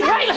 ih hai lah